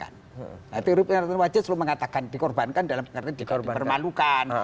nah teori penyelamatkan wajah selalu mengatakan dikorbankan dalam arti dipermalukan